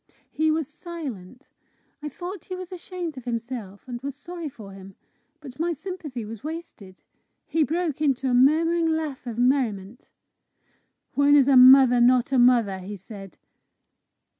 He was silent. I thought he was ashamed of himself, and was sorry for him. But my sympathy was wasted. He broke into a murmuring laugh of merriment. "When is a mother not a mother?" he said.